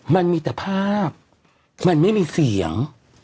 มันมีแต่ภาพมันไม่มีเสียง